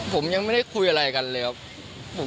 ผมยังไม่ได้คุยอะไรกันเลยครับ